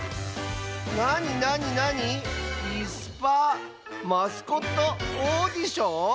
なになになに？いすパーマスコットオーディション？